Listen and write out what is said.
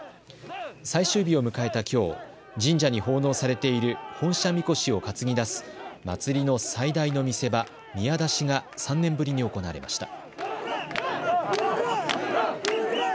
最終日を迎えたきょう神社に奉納されている本社神輿を担ぎ出す祭りの最大の見せ場、宮出しが３年ぶりに行われました。